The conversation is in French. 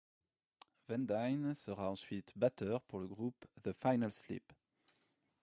Van Dyne sera ensuite batteur pour le groupe The Final Sleep..